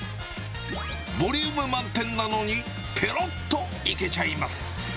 ボリューム満点なのに、ぺろっといけちゃいます。